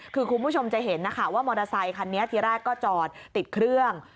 คือคุณผู้ชมจะเห็นนะคะว่ามอเตอร์ไซคันนี้ทีแรกก็จอดติดเครื่อง